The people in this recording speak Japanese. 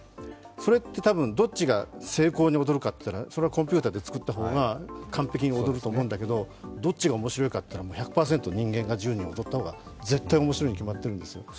それって多分、どっちが精巧に踊るかというとそれはコンピューターの方が完璧に踊ると思うんだけれどもどっちが面白いかっていったら、１００％人間が１０人踊った方が絶対に面白いに決まってるんですよ。